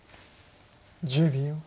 １０秒。